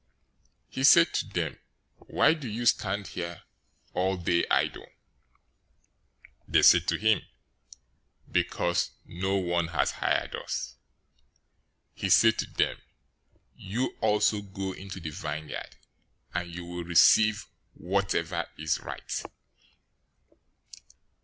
He said to them, 'Why do you stand here all day idle?' 020:007 "They said to him, 'Because no one has hired us.' "He said to them, 'You also go into the vineyard, and you will receive whatever is right.'